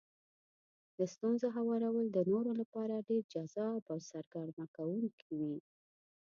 د ستونزو هوارول د نورو لپاره ډېر جذاب او سرګرمه کوونکي وي.